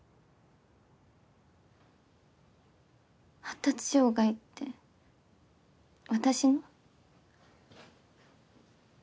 発達障害って私の？